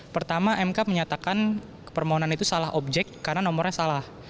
pertama mk menyatakan permohonan itu salah objek karena nomornya salah